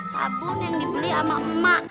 sabun yang dibeli sama emak